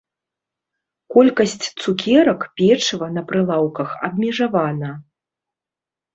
Колькасць цукерак, печыва на прылаўках абмежавана.